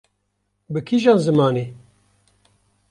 bi kîjan zimanê?